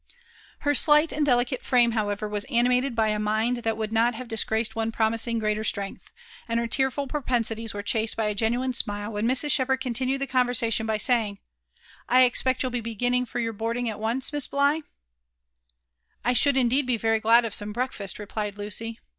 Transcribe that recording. Her slight and delicate frani6, however, was animated by a mind that would not have disgraced one promising greater strength ; and her tearful propensities were chased by a genuine smile when Mrs. Shepherd continued the conversation by saying, ''I expect you'll be for beginning your boarding at once. Miss Bligh?'' " I should indeed be very glad of some breakfast," replied Lucy.